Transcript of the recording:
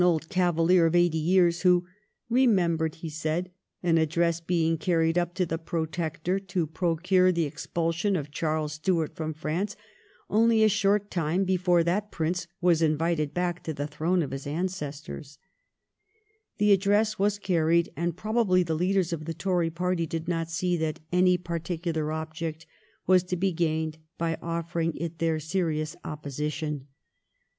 old Cavalier of eighty years, who ' remembered,' he said, ' an address being carried up to the Protector to procure the expulsion of Charles Stuart from France only a short time before that Prince was invited back to the throne of his ancestors/ The Address was carried, and probably the leaders of the Tory party did not see that any particular object was to be gained by offering it their serious opposition.